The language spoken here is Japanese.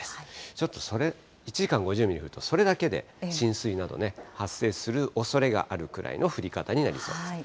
ちょっとそれ、１時間に５０ミリ降ると、それだけで浸水などね、発生するおそれがあるくらいの降り方になりそうです。